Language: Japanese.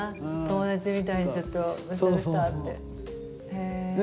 友達みたいにちょっとどうしたどうしたって。